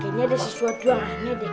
kayaknya ada sesuatu aneh deh